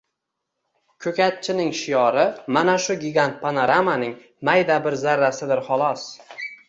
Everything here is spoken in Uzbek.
Ko‘katchining shiori mana shu gigant panoramaning mayda bir zarrasidir, xolos.